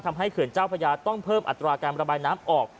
เขื่อนเจ้าพระยาต้องเพิ่มอัตราการระบายน้ำออก